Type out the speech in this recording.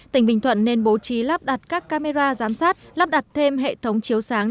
tỉnh bình thuận nên bố trí lắp đặt các camera giám sát lắp đặt thêm hệ thống chiếu sáng